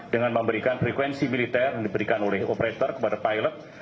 dengan memberikan frekuensi militer yang diberikan oleh operator kepada pilot